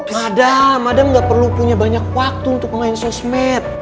madam madam gak perlu punya banyak waktu untuk main sosmed